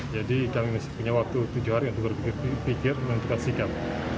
jadi kami masih punya waktu tujuh hari untuk berpikir menentukan sikap